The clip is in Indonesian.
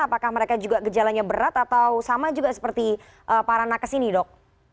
apakah mereka juga gejalanya berat atau sama juga seperti para nakes ini dok